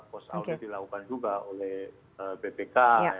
post audit dilakukan juga oleh bpk